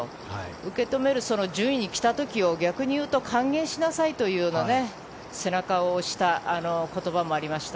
受け止める順位に来た時を逆に歓迎しなさいという背中を押した言葉もありました。